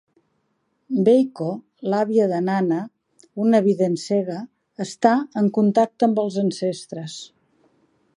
Baako, l'avia de Naana, una vident cega, està en contacte amb els ancestres.